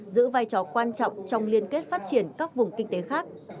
giữ vai trò quan trọng trong liên kết phát triển các vùng kinh tế khác